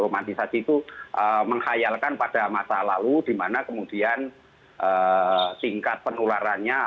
umatisasi itu menghayalkan pada masa lalu di mana kemudian tingkat penularannya